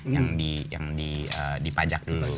yang dipajak dulu